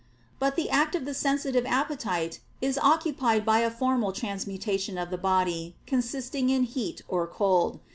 But the act of the sensitive appetite is accompanied by a formal transmutation of the body, consisting in heat or cold.